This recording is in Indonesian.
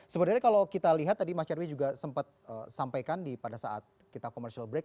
sebenarnya kalau kita lihat tadi mas nyarwi juga sempat sampaikan pada saat kita commercial break